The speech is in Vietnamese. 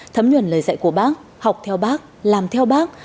thấm nhuần lời dạy của bác học theo bác làm theo bác